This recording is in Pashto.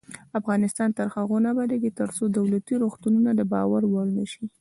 افغانستان تر هغو نه ابادیږي، ترڅو دولتي روغتونونه د باور وړ نشي.